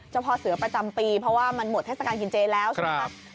พ่อเสือประจำปีเพราะว่ามันหมดเทศกาลกินเจแล้วใช่ไหมครับ